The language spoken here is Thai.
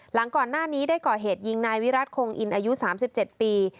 หลังก่อนหน้านี้ได้ก่อเหตุยิงนายวิรัติคงอินอายุ๓๗ปี